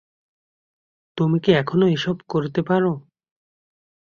তুমি কি এখনো এসব করতে পারো?